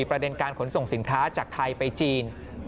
ประเด็นการขนส่งสินค้าจากไทยไปจีน